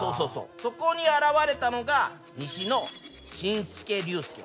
そこに現れたのが西の紳助・竜介。